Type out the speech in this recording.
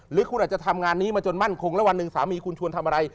หรือคุณอาจจะทำงานนี้มาจนมั่นคงแล้ววันหนึ่งสามีคุณชวนทำอะไร